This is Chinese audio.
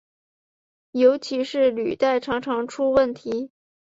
尤其是履带常常出问题。